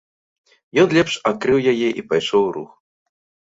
Ён лепш акрыў яе і пайшоў у рух.